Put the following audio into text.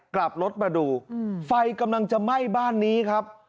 กลับรถมาดูไฟกำลังจะไหม้บ้านนี้ครับ